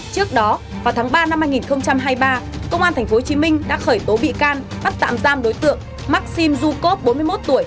trước đó vào tháng ba năm hai nghìn hai mươi ba công an tp hcm đã khởi tố bị can bắt tạm giam đối tượng maxim zukov bốn mươi một tuổi